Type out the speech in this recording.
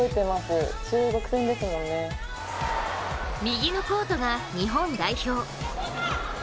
右のコートが日本代表。